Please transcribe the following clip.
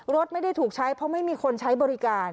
รถไม่ได้ถูกใช้เพราะไม่มีคนใช้บริการ